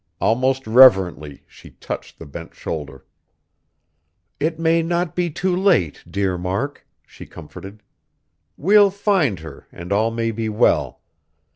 Almost reverently, she touched the bent shoulder. "It may not be too late, dear Mark," she comforted; "we'll find her, and all may be well.